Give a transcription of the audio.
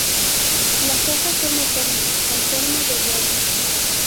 Las hojas son enteras con forma de huevo.